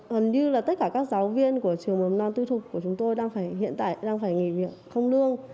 hẳn như là tất cả các giáo viên của trường bầm non tư thuộc của chúng tôi đang phải hiện tại đang phải nghỉ việc không lương